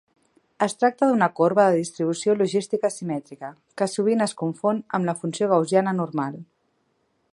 Es tracta d'una corba de distribució logística simètrica, que sovint es confon amb la funció gaussiana "normal".